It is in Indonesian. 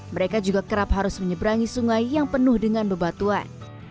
mereka juga kerap harus menyeberangi sungai yang penuh dengan bebatuan